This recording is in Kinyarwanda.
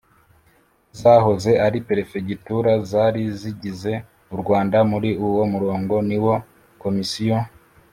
W izahoze ari perefegitura zari zigize u rwanda muri uwo murongo niwo komisiyo